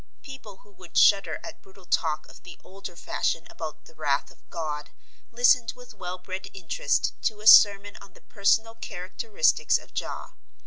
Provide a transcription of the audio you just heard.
People who would shudder at brutal talk of the older fashion about the wrath of God listened with well bred interest to a sermon on the personal characteristics of Jah.